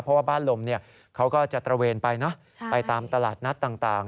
เพราะว่าบ้านลมเขาก็จะตระเวนไปนะไปตามตลาดนัดต่าง